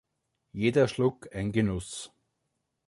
Jeder Schluck ein Genuss!